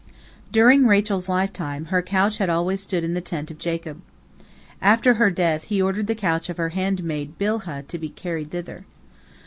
During Rachel's lifetime, her couch had always stood in the tent of Jacob. After her death, he ordered the couch of her handmaid Bilhah to be carried thither.